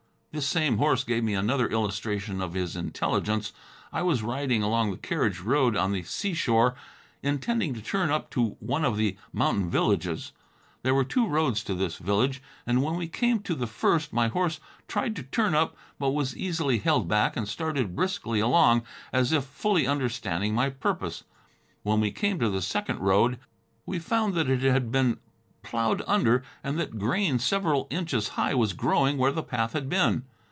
This same horse gave me another illustration of his intelligence. I was riding along the carriage road, on the seashore, intending to turn up to one of the mountain villages. There were two roads to this village, and when we came to the first my horse tried to turn up, but was easily held back and started briskly along, as if fully understanding my purpose. When we came to the second road we found that it had been plowed under and that grain several inches high was growing where the path had been.